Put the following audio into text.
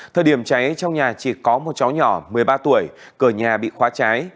thời điểm cháy trong nhà chỉ có một cháu nhỏ một mươi ba tuổi cờ nhà bị khóa cháy